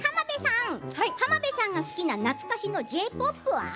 浜辺さんが好きな懐かしのＪ−ＰＯＰは？